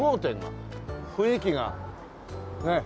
雰囲気がねっ。